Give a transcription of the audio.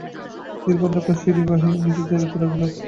দীর্ঘ অন্ধকার সিঁড়ি বাহিয়া নিচে চলিতে লাগিল।